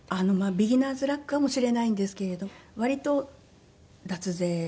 ビギナーズラックかもしれないんですけれど割と脱税している人を。